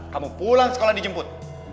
kamu pulang sekolah dijemput